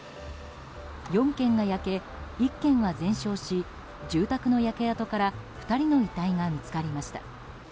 ４軒が焼け１軒は全焼し住宅の焼け跡から２人の遺体が見つかりました。